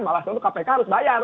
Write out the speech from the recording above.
malah tentu kpk harus bayar